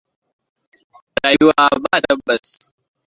Rayuwa ba tabbas.